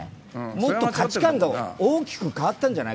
もっと価値観が大きく変わったんじゃない？